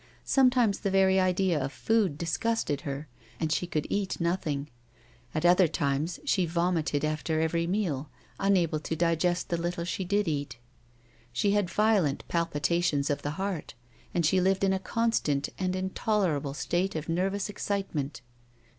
Sometimes the very idea of food disgusted her, and she could eat nothing ; at otlier times she vomited after every meal, unable to digest the little she did eat. She had violent palpitations of the heart, and she lived in a constant and intolerable state of nervous excitement.